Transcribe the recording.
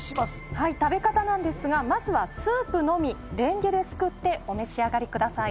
はい食べ方なんですがまずはスープのみレンゲですくってお召し上がりください